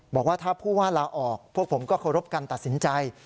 บอกว่าถ้าผู้ว่าลาออกพวกผมก็เคารพกันตัดสินใจ